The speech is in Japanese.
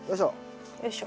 よいしょ。